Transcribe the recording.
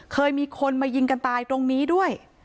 เคยมีคนมายิงกันตายตรงนี้ด้วย